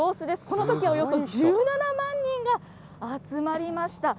このときはおよそ１７万人が集まりました。